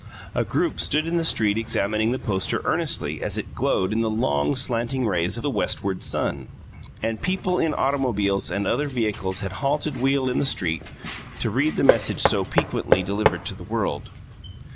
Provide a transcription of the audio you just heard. A group stood in the street examining the poster earnestly as it glowed in the long, slanting rays of the westward sun, and people in automobiles and other vehicles had halted wheel in the street to read the message so piquantly given to the world.